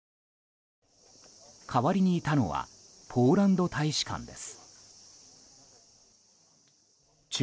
代わりにいたのはポーランド大使館です。